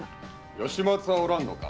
吉松はおらんのか？